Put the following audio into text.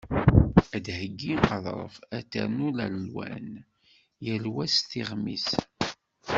Ad theyyi aḍref, ad ternu lalwan, yal wa s tiɣmi-s.